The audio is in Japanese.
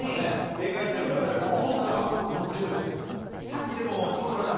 正解してるから２人とも。